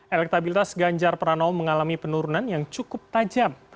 elektabilitas ganjar pranowo mengalami penurunan yang cukup tajam